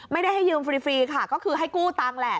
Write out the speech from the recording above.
ให้ยืมฟรีค่ะก็คือให้กู้ตังค์แหละ